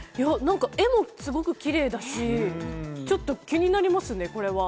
絵もすごくキレイだし、ちょっと気になりますね、これは。